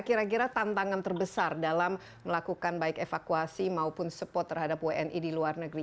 kira kira tantangan terbesar dalam melakukan baik evakuasi maupun support terhadap wni di luar negeri